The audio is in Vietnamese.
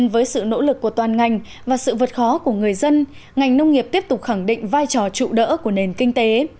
vào sự vượt khó của người dân ngành nông nghiệp tiếp tục khẳng định vai trò trụ đỡ của nền kinh tế